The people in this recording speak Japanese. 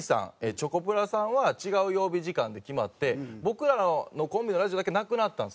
チョコプラさんは違う曜日時間で決まって僕らのコンビのラジオだけなくなったんですよ。